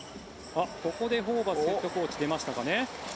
ここでホーバスヘッドコーチ出ましたかね。